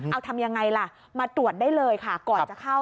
เอาทำยังไงล่ะมาตรวจได้เลยค่ะก่อนจะเข้า